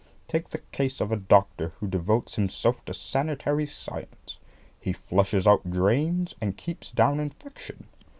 Take the case of a doctor who devotes himself to sanitary science. He flushes out drains, and keeps down infection.